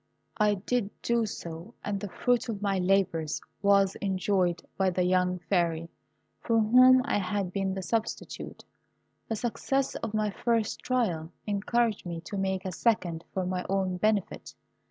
I did do so, and the fruit of my labours was enjoyed by the young Fairy, for whom I had been the substitute. The success of my first trial encouraged me to make a second for my own benefit.